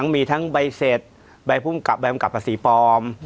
มีทั้งใบเสร็จใบภูมิกับใบกำกับภาษีปลอม